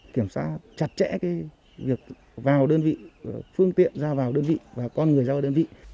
kiểm tra chặt chẽ việc vào đơn vị phương tiện ra vào đơn vị và con người ra vào đơn vị